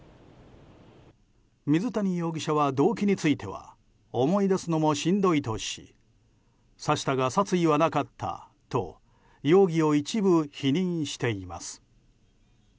水谷容疑者は動機については思い出すのもしんどいとし刺したが殺意はなかったと容疑を一部否認しています。